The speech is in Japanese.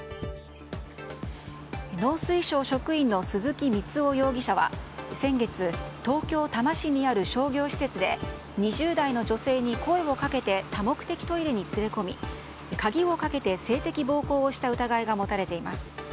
農水省職員の鈴木光夫容疑者は先月、東京・多摩市にある商業施設で２０代の女性に声をかけて多目的トイレに連れ込み鍵をかけて性的暴行をした疑いが持たれています。